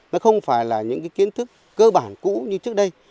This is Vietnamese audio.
nó không phải là những cái kiến thức cơ bản cũ như trước đây